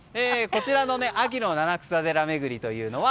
こちらの秋の七草寺巡りは